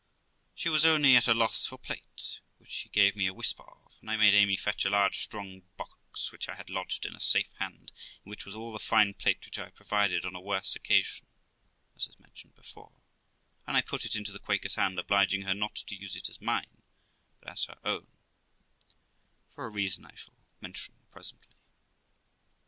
She was only at a loss for plate, which she gave me a whisper of; and I made Amy fetch a large strong box, which I had lodged in a safe hand, in which was all the fine plate which I had provided on a worse occa sion, as is mentioned before ; and I put it into the Quaker's hand, obliging her not to use it as mine, but as her own, for a reason I shall mention presently.